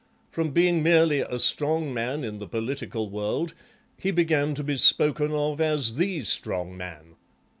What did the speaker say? From being merely a strong man in the political world he began to be spoken of as the strong man.